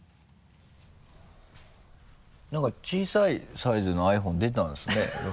何か小さいサイズのｉＰｈｏｎｅ出たんですね。